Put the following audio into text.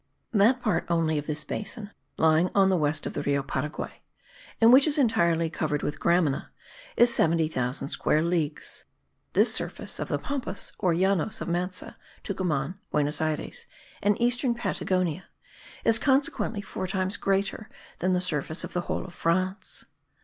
That part only of this basin lying on the west of the Rio Paraguay, and which is entirely covered with gramina, is 70,000 square leagues. This surface of the Pampas or Llanos of Manse, Tucuman, Buenos Ayres and eastern Patagonia is consequently four times greater than the surface of the whole of France.